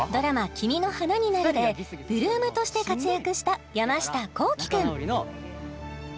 「君の花になる」で８ＬＯＯＭとして活躍した山下幸輝くん